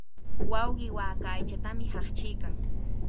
Wawqii waaka aychatami haqchiykan.